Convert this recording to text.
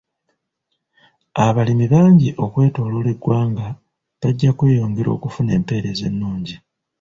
Abalimi bangi okwetooloola eggwanga bajja kweyongera okufuna empeereza ennungi.